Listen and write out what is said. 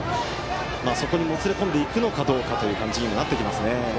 そこにもつれ込むのかという感じにもなってきますよね。